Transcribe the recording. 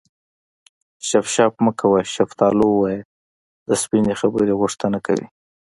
شف شف مه کوه شفتالو ووایه د سپینې خبرې غوښتنه کوي